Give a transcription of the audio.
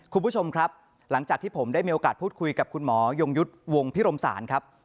คุณผู้ชมครับหลังจากที่ผมได้มีโอกาสพูดคุยกับคุณหมอยงยุทธ์วงพิรมศาลครับ